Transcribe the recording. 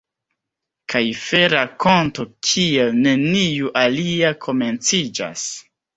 Kaj fe-rakonto kiel neniu alia komenciĝas...